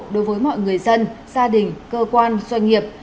đối với mọi người dân gia đình cơ quan doanh nghiệp